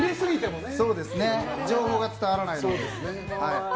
情報が伝わらないから。